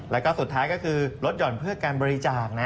แล้วก็สุดท้ายก็คือลดหย่อนเพื่อการบริจาคนะ